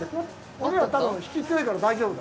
俺たち、多分、引きが強いから大丈夫。